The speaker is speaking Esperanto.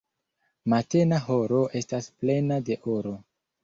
Matena horo estas plena de oro.